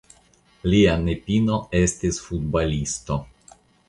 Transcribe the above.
Lia nepino estis futbalisto.